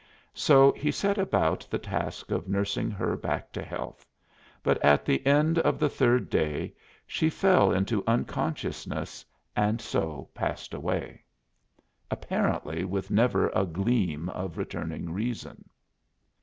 So he set about the task of nursing her back to health, but at the end of the third day she fell into unconsciousness and so passed away, apparently, with never a gleam of returning reason.